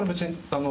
あの。